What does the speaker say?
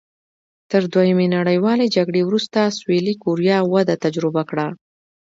تر دویمې نړیوالې جګړې وروسته سوېلي کوریا وده تجربه کړه.